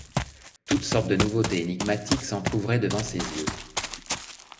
Toutes sortes de nouveautés énigmatiques s'entr'ouvraient devant ses yeux.